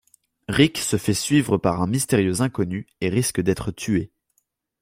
Ric se fait suivre par un mystérieux inconnu et risque d'être tué.